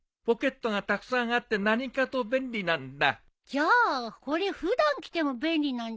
じゃあこれ普段着ても便利なんじゃない？